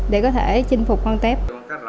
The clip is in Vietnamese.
để có thể chinh phục con tép